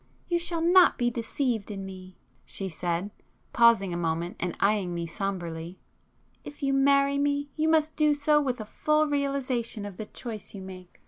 "You shall not be deceived in me,"—she said, pausing a moment and eyeing me sombrely—"If you marry me, you must do so with a full realization of the choice you make.